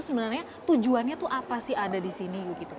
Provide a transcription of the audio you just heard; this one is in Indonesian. sebenarnya tujuannya apa sih ada di sini